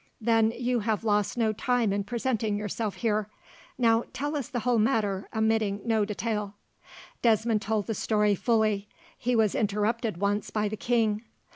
"Then you have lost no time in presenting yourself here. Now, tell us the whole matter, omitting no detail." Desmond told the story fully. He was interrupted once by the king.